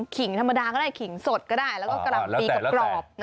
ขิงธรรมดาก็ได้ขิงสดก็ได้แล้วก็กะห่ำปีกรอบ